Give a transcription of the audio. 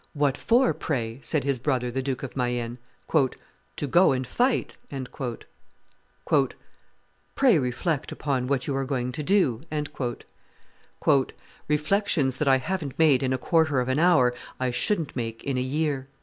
"What for, pray?" said his brother, the Duke of Mayenne. "To go and fight." "Pray reflect upon, what you are going to do." "Reflections that I haven't made in a quarter of an hour I shouldn't make in a year."